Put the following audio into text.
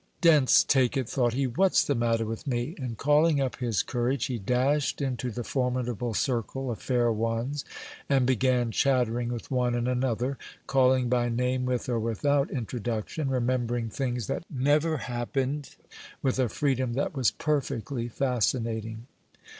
"Dense take it!" thought he, "what's the matter with me?" and, calling up his courage, he dashed into the formidable circle of fair ones, and began chattering with one and another, calling by name with or without introduction, remembering things that never happened, with a freedom that was perfectly fascinating.